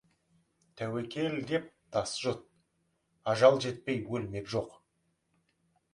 «Тәуекел» деп тас жұт, ажал жетпей өлмек жоқ.